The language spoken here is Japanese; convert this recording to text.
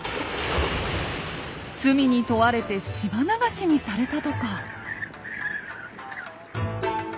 罪に問われて島流しにされたとか。